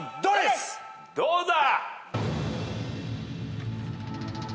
どうだ？